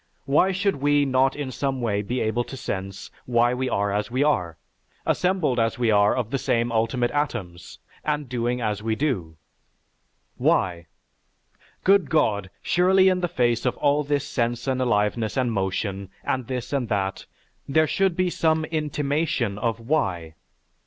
why should we not in some way be able to sense why we are as we are assembled as we are of the same ultimate atoms and doing as we do? Why? Good God surely in the face of all this sense of aliveness and motion, and this and that, there should be some intimation of WHY?